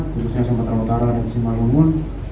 khususnya sampai terutara dan semarangun